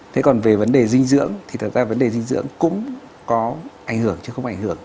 thế còn về vấn đề dinh dưỡng thì thật ra vấn đề dinh dưỡng cũng có ảnh hưởng chứ không ảnh hưởng